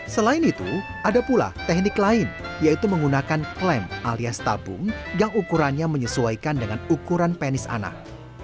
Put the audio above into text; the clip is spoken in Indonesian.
selain itu ada pula teknik lain yaitu menggunakan klaim alias tabung yang ukurannya menyesuaikan dengan ukuran penis anak